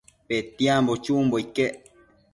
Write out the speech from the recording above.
Petiambo chumbo iquec